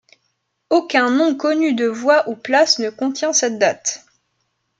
Aucun nom connu de voies ou places ne contient cette date.